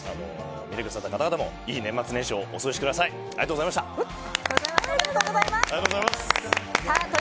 見てくださった方々も、いい年末年始をお過ごしください。